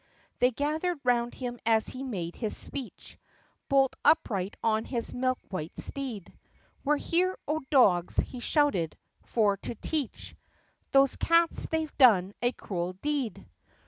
They gathered round him as he made his speech Bolt upright on his milk white steed. "We 're here, O dogs!" he shouted, "for to teach Those cats they 've done a cruel deed